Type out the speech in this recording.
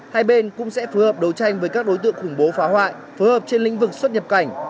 hai bên cũng sẽ phù hợp đấu tranh với các đối tượng khủng bố phá hoại phối hợp trên lĩnh vực xuất nhập cảnh